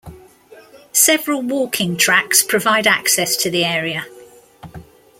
Several walking tracks provide access to the area.